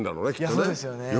そうですよねはい。